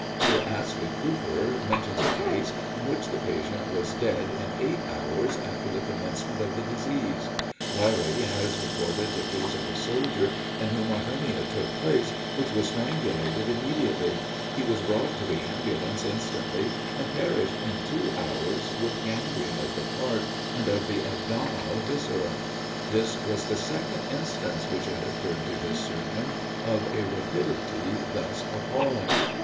Sir Astley Cooper mentions a case in which the patient was dead in eight hours after the commencement of the disease. Larrey has recorded the case of a soldier in whom a hernia took place, which was strangulated immediately. He was brought to the "ambulance" instantly, and perished in two hours with gangrene of the part, and of the abdominal viscera. This was the second instance which had occurred to this surgeon of a rapidity thus appalling.